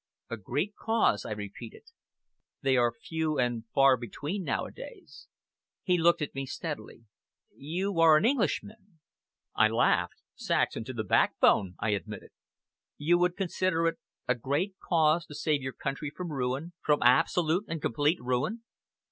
"A great cause!" I repeated. "They are few and far between nowadays." He looked at me steadily. "You are an Englishman!" I laughed. "Saxon to the backbone," I admitted. "You would consider it a great cause to save your country from ruin, from absolute and complete ruin!"